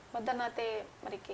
bagaimana nanti mereka